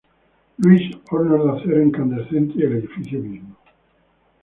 Louis"—, hornos de acero incandescente y el edificio mismo.